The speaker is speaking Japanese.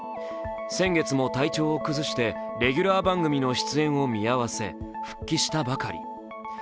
先月も体調を崩してレギュラー番組の出演を見合わせ復帰したばかり。